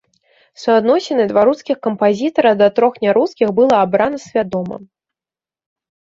Суадносіны два рускіх кампазітара да трох нярускіх было абрана свядома.